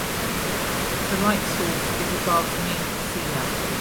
The light source is above mean sea level.